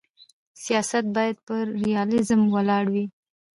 سیاست باید پر ریالیزم ولاړ وي.